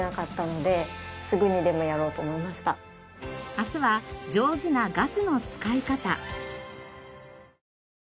明日は上手なガスの使い方。